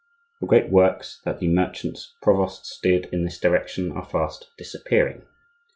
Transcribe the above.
The great works that the "merchants' provosts" did in this direction are fast disappearing.